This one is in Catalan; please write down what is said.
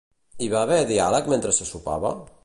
Hi va haver diàleg mentre se sopava?